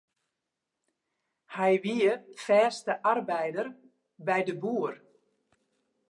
Hy wie fêste arbeider by de boer.